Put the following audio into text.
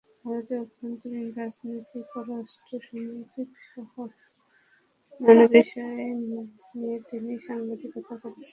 ভারতের অভ্যন্তরীণ রাজনীতি, পররাষ্ট্র, সামাজিকসহ নানা বিষয় নিয়ে তিনি সাংবাদিকতা করেছেন।